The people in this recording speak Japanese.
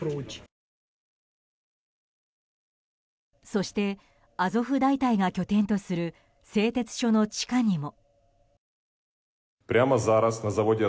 そしてアゾフ大隊が拠点とする製鉄所の地下にも。